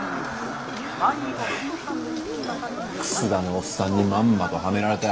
楠田のおっさんにまんまとはめられたよ。